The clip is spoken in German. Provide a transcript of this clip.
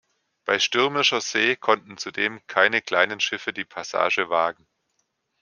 Bei stürmischer See konnten zudem keine kleinen Schiffe die Passage wagen.